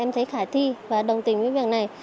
em thấy khả thi và đồng tình với việc này